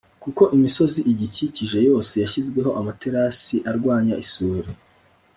kuko imisozi igikikije yose yashyizweho amaterasi arwanya isuri.